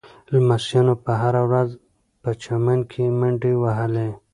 لمسیانو به هره ورځ په چمن کې منډې وهلې.